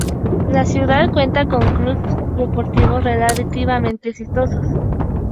La ciudad cuenta con clubes deportivos relativamente exitosos.